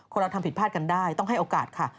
เราทำผิดพลาดกันได้ต้องให้โอกาสค่ะ